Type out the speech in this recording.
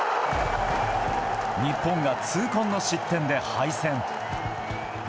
日本が痛恨の失点で敗戦。